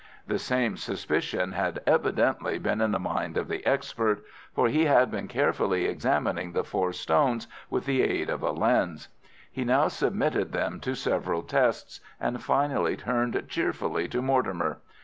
The same suspicion had evidently been in the mind of the expert, for he had been carefully examining the four stones with the aid of a lens. He now submitted them to several tests, and finally turned cheerfully to Mortimer.